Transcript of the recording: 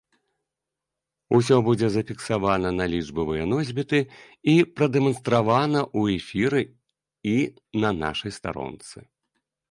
Усё будзе зафіксавана на лічбавыя носьбіты і прадэманстравана ў эфіры і на нашай старонцы.